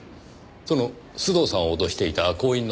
その須藤さんを脅していた工員の名は？